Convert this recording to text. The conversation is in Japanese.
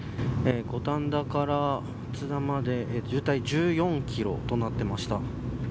御殿場から松田まで渋滞１４キロとなっていました。